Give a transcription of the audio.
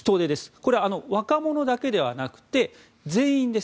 これは若者だけではなく全員です。